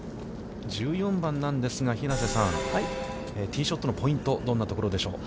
１４番なんですが、平瀬さん、ティーショットのポイント、どんなところでしょう。